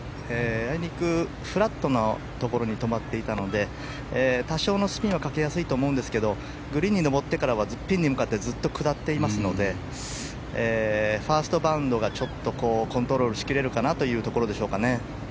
あいにくフラットなところに止まっていたので多少のスピンはかけやすいと思うんですけどグリーンに上ってからはピンに向かってずっと下っていますのでファーストバウンドがちょっとコントロールし切れるかなというところでしょうかね。